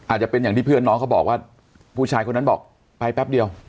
อาจจะเป็นอย่างที่เพื่อนน้องเขาบอกว่าผู้ชายคนนั้นบอกไปแป๊บเดียว